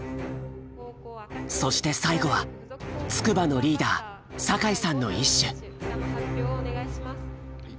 そして最後は筑波のリーダー酒井さんの一首。